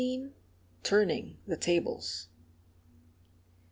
XVII TURNING THE TABLES MR.